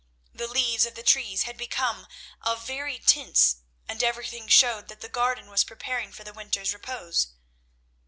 The leaves of the trees had become of varied tints, and everything showed that the garden was preparing for the winter's repose.